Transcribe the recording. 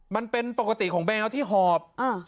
มันเป็นปกติของแมวที่หอบ